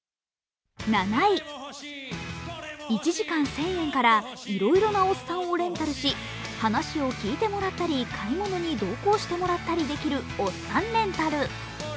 ７位、１時間１０００円からいろいろなおっさんをレンタルし話を聞いてもらったり、買い物に同行してもらったりできるおっさんレンタル。